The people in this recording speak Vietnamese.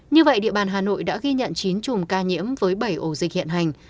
như vậy địa bàn hà nội đã ghi nhận chín chùm ca nhiễm với bảy ổ dịch hiện hành